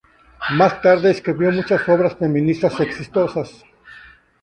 Más tarde escribió muchas obras feministas exitosas.